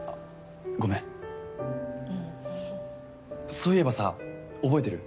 そういえばさ覚えてる？